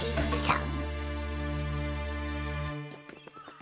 ん？